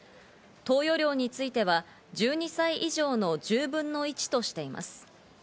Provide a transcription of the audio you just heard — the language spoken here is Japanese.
投与量については１２歳以上の１０分の１としています。